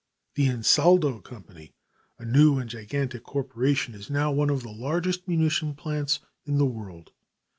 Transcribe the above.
The Ansaldo Company, a new and gigantic corporation, is now one of the largest munition plants in the world.